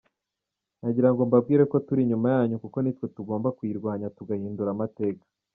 Nagira ngo mbabwire ko turi inyuma yanyu kuko nitwe tugomba kuyirwanya tugahindura amateka.